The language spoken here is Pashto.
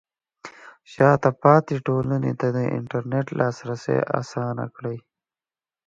شاته پاتې ټولنې ته د انټرنیټ لاسرسی اسانه کړئ.